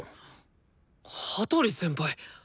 羽鳥先輩！